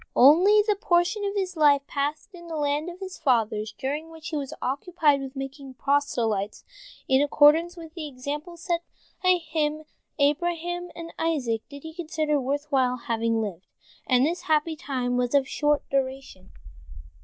Only the portion of his life passed in the land of his fathers, during which he was occupied with making proselytes, in accordance with the example set him by Abraham and Isaac, did he consider worth while having lived, and this happy time was of short duration.